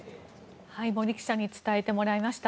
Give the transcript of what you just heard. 森記者に伝えてもらいました。